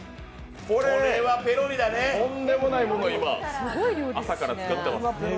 とんでもないものを今、朝から作っています。